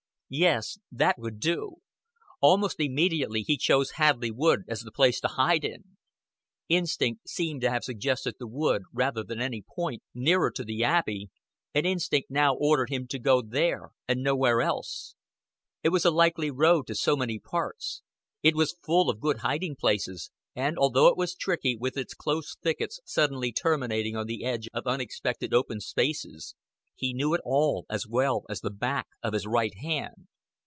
Yes, that would do. Almost immediately he chose Hadleigh Wood as the place to hide in. Instinct seemed to have suggested the wood rather than any point nearer to the Abbey, and instinct now ordered him to go there and nowhere else. It was a likely road to so many parts; it was full of good hiding places; and, although it was tricky, with its close thickets suddenly terminating on the edge of unexpected open spaces, he knew it all as well as the back of his right hand.